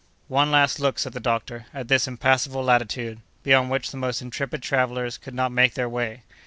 "One last look," said the doctor, "at this impassable latitude, beyond which the most intrepid travellers could not make their way.